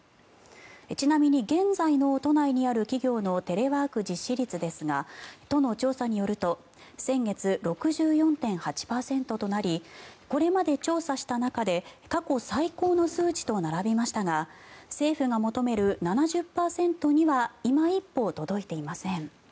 ちなみに、現在の都内にある企業のテレワーク実施率ですが都の調査によると先月、６４．８％となりこれまで調査した中で過去最高の数値と並びましたが政府が求める７０％にはいま一歩届いていません。